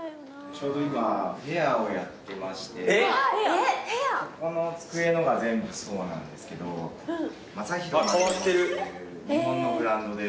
ちょうど今フェアをやってましてここの机のが全部そうなんですけどマサヒロマルヤマっていう日本のブランドです。